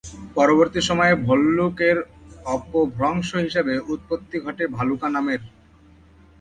পরবর্তী সময়ে ভল্লুক এর অপভ্রংশ হিসেবে উৎপত্তি ঘটে ভালুকা নামের।